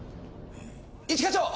一課長！